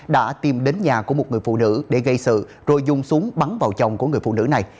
đã tìm đến nhà của một người phụ nữ để gây sự rồi dùng súng bắn vào chồng của người phụ nữ này